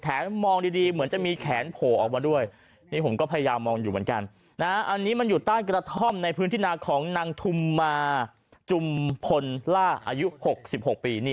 มองดีเหมือนจะมีแขนโผล่ออกมาด้วยนี่ผมก็พยายามมองอยู่เหมือนกันอันนี้มันอยู่ใต้กระท่อมในพื้นที่นาของนางทุมมาจุมพลล่าอายุ๖๖ปี